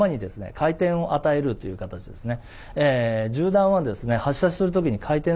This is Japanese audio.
回転を与えるという形ですね。